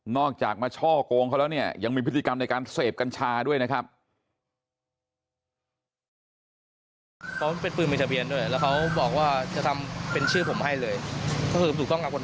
จากมาช่อกงเขาแล้วเนี่ยยังมีพฤติกรรมในการเสพกัญชาด้วยนะครับ